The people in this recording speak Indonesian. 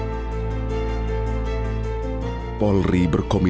jangan lupa untuk berlangganan